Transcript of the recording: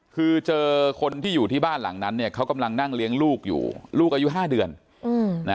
คือเจอคนที่อยู่ที่บ้านหลังนั้นเนี่ยเขากำลังนั่งเลี้ยงลูกอยู่ลูกอายุ๕เดือน